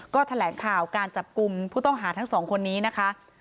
ก็แถลงข่าวการจับกลุ่มผู้ต้องหาทั้งสองคนนี้นะคะ